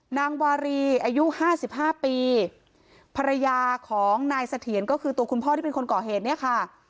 นางวารีอายุห้าสิบห้าปีภรรยาของนายเสถียรก็คือตัวคุณพ่อที่เป็นคนก่อเหตุเนี่ยค่ะ